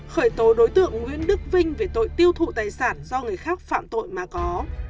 khởi tố đối tượng nguyễn đức vinh về tội tiêu thụ tài sản do người khác phạm tội mà có